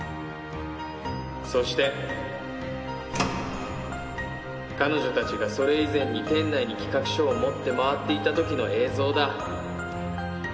そして彼女たちがそれ以前に店内に企画書を持って回っていたときの映像だ。